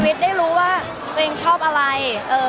มันเป็นเรื่องน่ารักที่เวลาเจอกันเราต้องแซวอะไรอย่างเงี้ย